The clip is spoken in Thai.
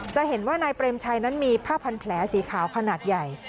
จะเห็นว่านายเปรมชัยนั้นมีผ้าพันแผลสีขาวขนาดใหญ่